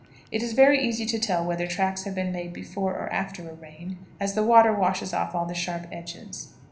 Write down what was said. It is very easy to tell whether tracks have been made before or after a rain, as the water washes off all the sharp edges.